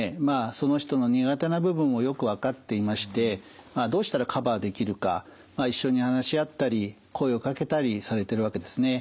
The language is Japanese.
その人の苦手な部分をよく分かっていましてどうしたらカバーできるか一緒に話し合ったり声をかけたりされてるわけですね。